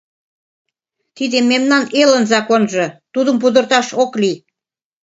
Тиде мемнан элын законжо, тудым пудырташ ок лий.